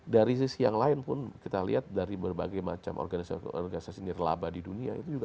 dari sisi yang lain pun kita lihat dari berbagai macam organisasi organisasi yang terlaba di dunia